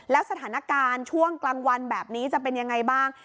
แล้วสถานการณ์ช่วงกลางวันแบบนี้จะเป็นยังไงบ้าง